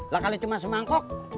lah kali itu masuk mangkok